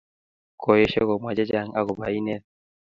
Koesho komwa chechang akoba inet